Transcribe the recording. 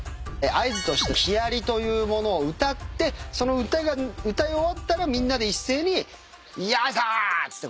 合図として木やりというものを歌ってその歌が歌い終わったらみんなで一斉によいさっつって引っ張るっていう。